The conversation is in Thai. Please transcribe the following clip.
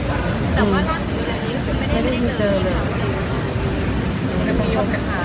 แต่ว่าร่างชีวิตอันนี้ก็คือไม่ได้ไม่ได้เจอเลย